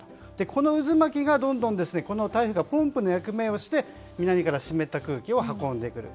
この渦巻きがどんどんこの台風がポンプの役目をして南から湿った空気を運んでくる。